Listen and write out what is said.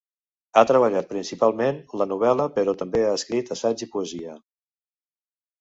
Ha treballat principalment la novel·la, però també ha escrit assaig i poesia.